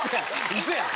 ウソやん。